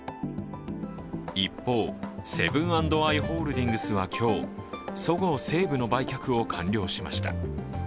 一方、セブン＆アイ・ホールディングスは今日、そごう・西武の売却を完了しました。